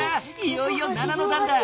いよいよ７のだんだ！